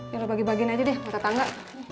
yaudah bagi bagiin aja deh mata tangga